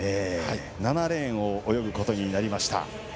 ７レーン泳ぐことになりました。